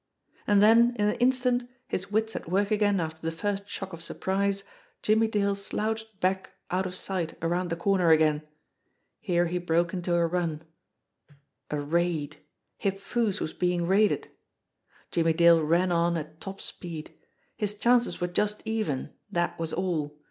And then in an instant, his wits at work again after the first shock of surprise, Jimmie Dale slouched back out of 82 JIMMIE DALE AND THE PHANTOM CLUE sight around the corner again. Here he broke into a run. A raid! Hip Foo's was being raided. Jimmie Dale ran on at top speed. His chances were just even that was all.